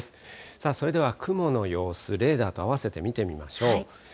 さあ、それでは雲の様子、レーダーと合わせて見てみましょう。